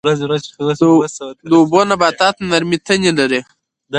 د اوبو نباتات نرمې تنې لري